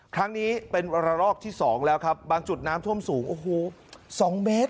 ครั้งนี้เป็นระลอกที่สองแล้วครับบางจุดน้ำท่วมสูงโอ้โห๒เมตร